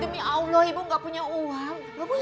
demi allah ibu gak punya uang